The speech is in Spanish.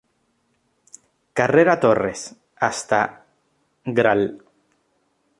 Carrera Torres, hasta Gral.